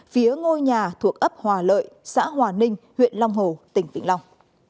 phía ngôi nhà thuộc ấp hòa lợi xã hòa ninh huyện long hồ tỉnh vĩnh long